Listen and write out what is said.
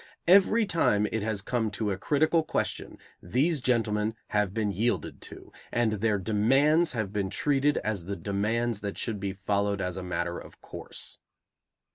Every time it has come to a critical question these gentlemen have been yielded to, and their demands have been treated as the demands that should be followed as a matter of course.